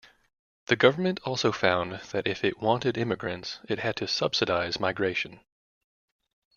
The government also found that if it wanted immigrants it had to subsidise migration.